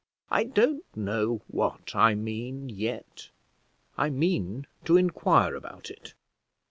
"I don't know what I mean yet. I mean to inquire about it.